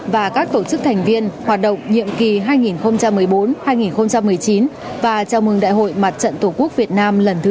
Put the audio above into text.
và các tổ chức thành viên hoạt động nhiệm kỳ hai nghìn một mươi bốn hai nghìn một mươi chín và chào mừng đại hội mặt trận tổ quốc việt nam lần thứ ba mươi